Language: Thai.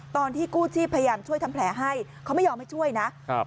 ตอนที่กู้ชีพพยายามช่วยทำแผลให้เขาไม่ยอมให้ช่วยนะครับ